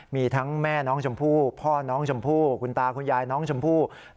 มีทั้งแม่น้องบุณฑ์พ่อน้องบุณฑ์คุณตาคุณยายน้องบุณฑ์